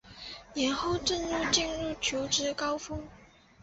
年后正式进入求职高峰